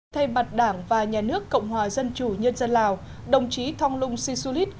thay mặt đảng và nhà nước cộng hòa dân chủ nhân dân lào đồng chí thong lung si su lít